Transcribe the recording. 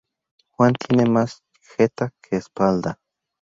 Juan tiene más jeta que espalda